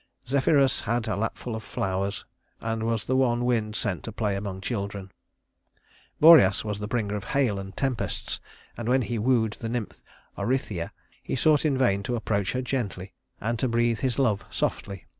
Zephyrus had a lapful of flowers, and was the one wind sent to play among children. Boreas was the bringer of hail and tempests, and when he wooed the nymph Orithyia, he sought in vain to approach her gently, and to breathe his love softly.